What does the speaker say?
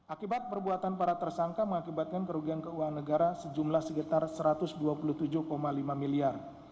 akibat perbuatan para tersangka mengakibatkan kerugian keuangan negara sejumlah sekitar satu ratus dua puluh tujuh lima miliar